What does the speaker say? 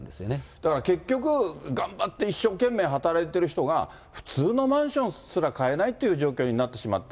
だから結局、頑張って一生懸命働いてる人が、普通のマンションすら買えないっていう状況になってしまった。